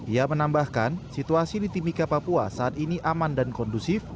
ia menambahkan situasi di timika papua saat ini aman dan kondusif